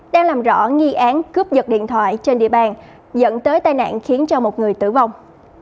đang làm rõ nghi án cướp giật điện thoại trên địa bàn dẫn tới tai nạn khiến cho một người tử vong